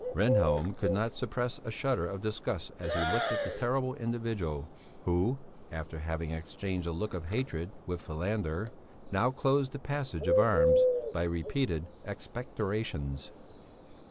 Rehnhjelm could not suppress a shudder of disgust as he looked at the terrible individual who, after having exchanged a look of hatred with Falander, now closed the passage of arms by repeated expectorations.